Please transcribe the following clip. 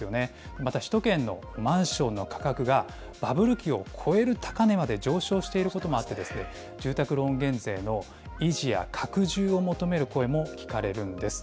また首都圏のマンションの価格が、バブル期を超える高値まで上昇していることもあってですね、住宅ローン減税の維持や拡充を求める声も聞かれるんです。